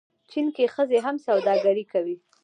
چین کې ښځې هم سوداګري کوي.